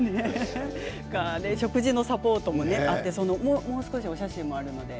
食事のサポートもあってもう少しお写真もあるので。